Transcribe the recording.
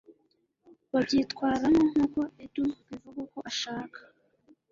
babyitwaramo nkuko Edu bivugwa ko ashaka